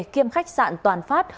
kiêm khách sạn toàn phát